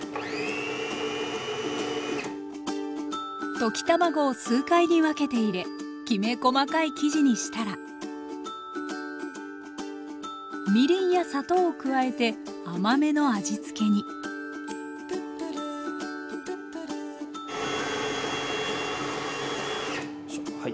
溶き卵を数回に分けて入れきめ細かい生地にしたらみりんや砂糖を加えて甘めの味付けによいしょはい。